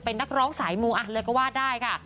เป็นนักร้องสายมูอันเลยก็ว่าได้ค่ะ